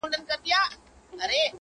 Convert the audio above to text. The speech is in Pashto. خداى دي له بدوسترگو وساته تل.